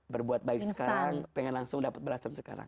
berbuat baik sekarang pengen langsung dapat belasan sekarang